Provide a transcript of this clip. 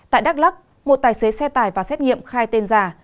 tại đắk lắc một tài xế xe tải và xét nghiệm khai tên giả